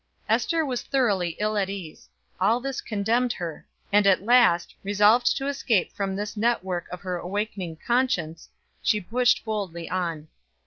Ester was thoroughly ill at ease; all this condemned her and at last, resolved to escape from this net work of her awakening conscience, she pushed boldly on.